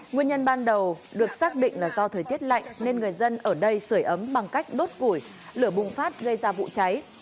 nguyên nhân ban đầu được xác định là do thời tiết lạnh nên người dân ở đây sửa ấm bằng cách đốt củi lửa bùng phát gây ra vụ cháy